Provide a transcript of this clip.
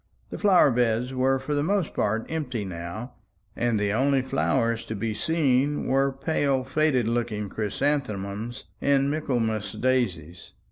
The flower beds were for the most part empty now, and the only flowers to be seen were pale faded looking chrysanthemums and Michaelmas daises.